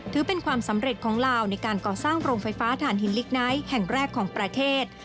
ถือเป็นความสำเร็จของลาวในการก่อสร้างโรงไฟฟ้าฐานหินลิกไนท์แห่งแรกของประเทศ